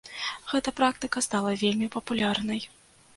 Гэта практыка стала вельмі папулярнай.